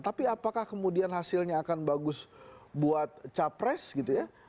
tapi apakah kemudian hasilnya akan bagus buat capres gitu ya